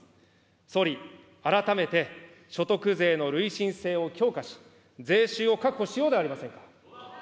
総理、改めて所得税の累進性を強化し、税収を確保しようではありませんか。